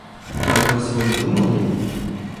Но этого всего не думал Левин.